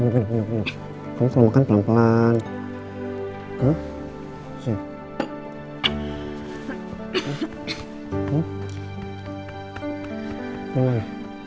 kamu selalu makan pelan pelan